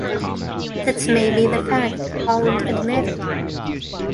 "That's maybe the fact," Holland admitted.